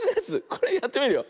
これやってみるよ。